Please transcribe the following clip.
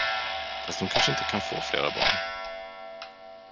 Fast hon kanske inte kan få flera barn.